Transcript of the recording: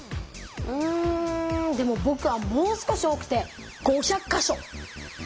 うんでもぼくはもう少し多くて５００か所！